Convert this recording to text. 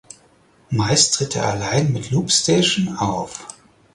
Meist tritt er allein mit Loop Station auf.